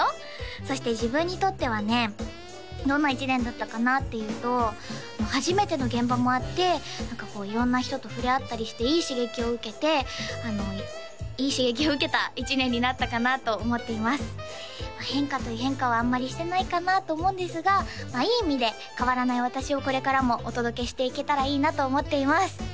そして自分にとってはねどんな１年だったかなっていうと初めての現場もあって何かこう色んな人と触れ合ったりしていい刺激を受けてあのいい刺激を受けた１年になったかなと思っています変化という変化はあんまりしてないかなと思うんですがまあいい意味で変わらない私をこれからもお届けしていけたらいいなと思っています